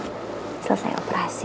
selesai operasi selesai operasi